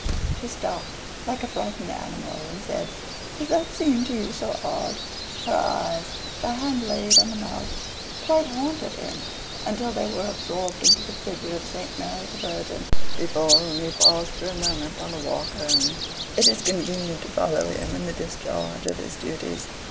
She stopped like a frightened animal and said, "Does that seem to you so odd?" Her eyes, the hand laid on the mouth, quite haunted him, until they were absorbed into the figure of St. Mary the Virgin, before whom he paused for a moment on the walk home. It is convenient to follow him in the discharge of his duties.